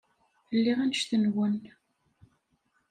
Lliɣ annect-nwen.